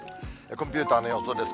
コンピューターの予想です。